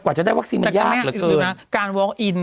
กว่าจะได้วัคซีนมันยากเหลือเกินแต่ตอนนี้รู้ไหมนะ